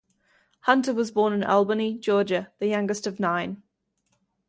Hunter was born in Albany, Georgia, the youngest of nine.